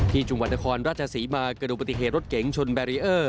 ที่จุงวันทครรภ์ราชสีมาเกิดอุปติเหตุรถเก๋งชนแบรีเออร์